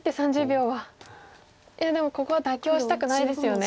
いやでもここは妥協したくないですよね。